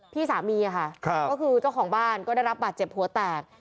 พี่สามีค่ะก็คือเจ้าของบ้านก็ได้รับบาดเจ็บหัวแตก